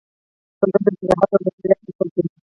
شپږم د صلاحیت او مسؤلیت اصل دی.